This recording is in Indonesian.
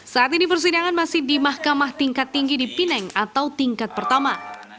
saat ini persidangan masih di mahkamah tingkat tinggi di pineng atau tingkat pertama